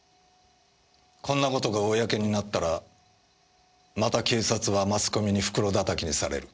こんな事が公になったらまた警察はマスコミに袋叩きにされる。